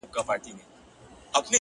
د زده کړې عمر محدود نه دی